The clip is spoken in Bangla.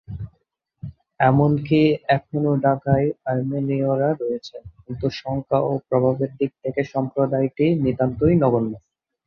এমনকি এখনও ঢাকায় আর্মেনীয়রা রয়েছেন, কিন্তু সংখ্যা ও প্রভাবের দিক থেকে সম্প্রদায়টি নিতান্তই নগণ্য।